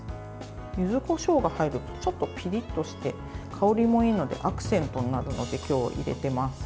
ゆずこしょうが入ると、ちょっとピリッとして、香りもいいのでアクセントになるので今日、入れてます。